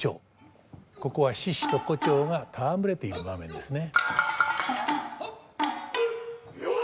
ここは獅子と胡蝶が戯れている場面ですね。